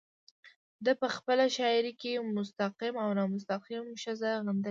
ده په خپله شاعرۍ کې مستقيم او نامستقيم ښځه غندلې ده